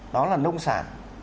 đó là nông sản